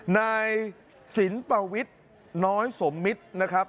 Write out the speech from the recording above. นายสินปวิทย์น้อยสมมิตรนะครับ